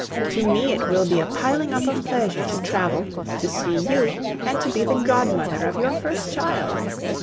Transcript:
To me it will be a piling up of pleasure to travel, to see you, and to be the godmother of your first child.